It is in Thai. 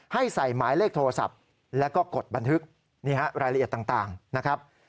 ให้ใส่หมายเลขโทรศัพท์แล้วก็กดบันทึกนี่ฮะรายละเอียดต่างนะครับ